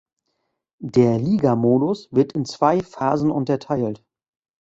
Der Ligamodus wird in zwei Phasen unterteilt.